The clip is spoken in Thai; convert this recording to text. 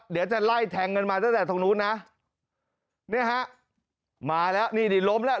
เดี๋ยวจะไล่แทงกันมาตั้งแต่ตรงนู้นนะเนี่ยฮะมาแล้วนี่ดิล้มแล้ว